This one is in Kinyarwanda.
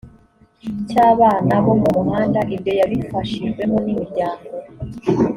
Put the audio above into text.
cy abana bo mu muhanda ibyo yabifashijwemo n imiryango